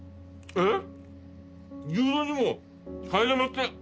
えっ？